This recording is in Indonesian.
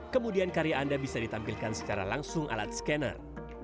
kemudian karya anda bisa ditampilkan secara langsung alat scanner